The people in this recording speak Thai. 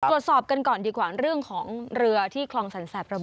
ตรวจสอบกันก่อนดีกว่าเรื่องของเรือที่คลองสรรแสบระเบ